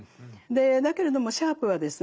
だけれどもシャープはですね